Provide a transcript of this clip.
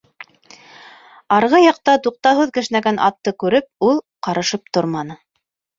Арғы яҡта туҡтауһыҙ кешнәгән атты күреп, ул ҡарышып торманы.